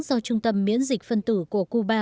do trung tâm miễn dịch phân tử của cuba